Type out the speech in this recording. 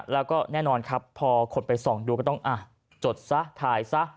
แล้วก็แน่นอนครับพอคนไปส่องดูก็ต้องจดซะถ่ายซะ